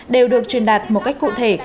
đều được truyền đạt một cách cụ thể